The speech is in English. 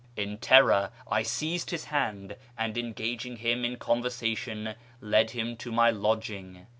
' In terror I seized his hand, and, engaging him in conversation, led him to my lodging.